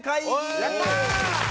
やったー！